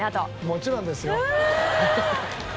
もちろんですよ。うう！